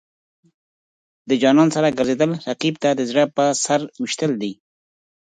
د جانان سره ګرځېدل، رقیب ته د زړه په سر ویشتل دي.